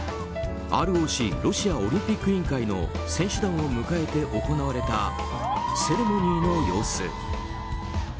ＲＯＣ・ロシアオリンピック委員会の選手団を迎えて行われたセレモニーの様子。